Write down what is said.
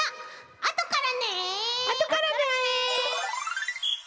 あとからね！